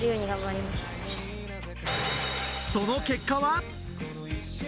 その結果は？